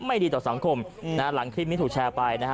ไม่ดีต่อสังคมนะฮะหลังคลิปนี้ถูกแชร์ไปนะฮะ